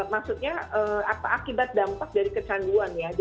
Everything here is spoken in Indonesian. maksudnya apa akibat dampak dari kecanduan ya